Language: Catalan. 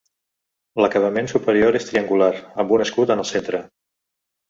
L'acabament superior és triangular, amb un escut en el centre.